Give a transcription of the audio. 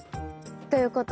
ということは？